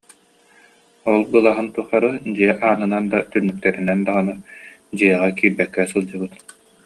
Ол былаһын тухары дьиэ аанынан да, түннүктэринэн даҕаны дьиэҕэ киирбэккэ сылдьыбыт